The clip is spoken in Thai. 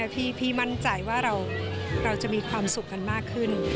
พี่มั่นใจว่าเราจะมีความสุขกันมากขึ้น